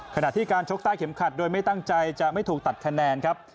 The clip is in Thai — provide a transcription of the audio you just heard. ขณะที่การชกใต้เข็มขัดโดยไม่ตั้งใจจะไม่ถูกตัดคะแนนครับ